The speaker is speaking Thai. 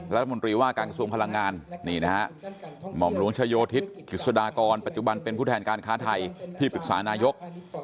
รัฐมนตรีว่าการกระทรวงพลังงานนี่นะฮะหม่อมหลวงชโยธิศกิจสดากรปัจจุบันเป็นผู้แทนการค้าไทยที่ปรึกษานายก